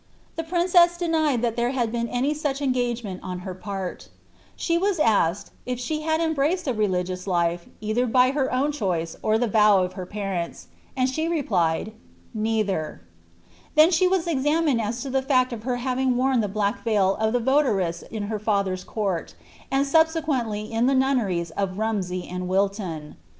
The priacesa denied that there had been any such engj her part She was asked " if she had embraced a fcligious life, either by htt own choice or the vow of her parents ;" and she replied, « Netthef," Then she was examined as to the fact of her having worn the black td of s votaress in her father's court, and subsequently in the niuiDenra of Rnmsey and Willon.